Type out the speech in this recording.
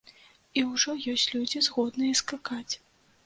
І ўжо ёсць людзі, згодныя скакаць.